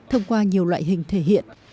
thông qua nhiều loại hình thể hiện